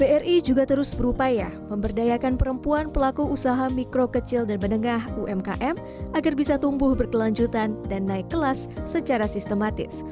bri juga terus berupaya memberdayakan perempuan pelaku usaha mikro kecil dan menengah umkm agar bisa tumbuh berkelanjutan dan naik kelas secara sistematis